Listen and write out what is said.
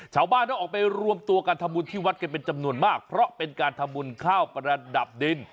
ชาวบ้านต้องออกไปรวมตัวกันทำบุญที่วัดกันเป็นจำนวนมากเพราะเป็นการทำบุญข้าวประดับดิน